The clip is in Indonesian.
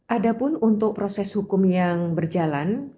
adapun untuk proses hukum yang berjalan